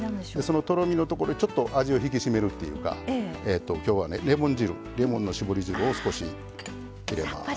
その、とろみのところで味を引き締めるというか今日はレモンの搾り汁を少し入れます。